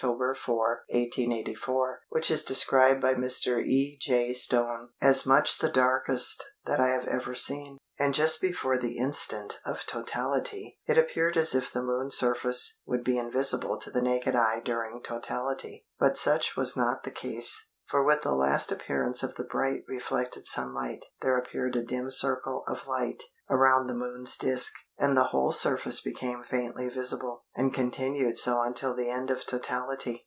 4, 1884, which is described by Mr. E. J. Stone as "much the darkest that I have ever seen, and just before the instant of totality it appeared as if the Moon's surface would be invisible to the naked eye during totality; but such was not the case, for with the last appearance of the bright reflected sunlight there appeared a dim circle of light around the Moon's disc, and the whole surface became faintly visible, and continued so until the end of totality."